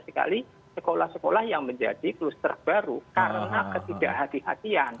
sekolah sekolah yang menjadi kuster baru karena ketidakhati hatian